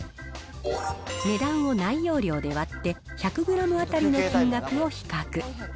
値段を内容量で割って、１００グラム当たりの金額を比較。